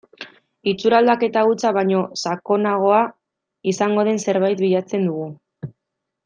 Itxura aldaketa hutsa baino sakonagoa izango den zerbait bilatzen dugu.